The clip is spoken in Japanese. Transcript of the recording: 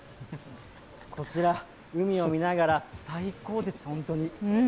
こちら、海を見ながら最高です、本当に。